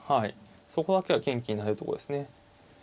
そこだけは元気になれるところですね。